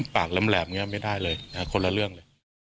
แหลมอย่างนี้ไม่ได้เลยคนละเรื่องเลย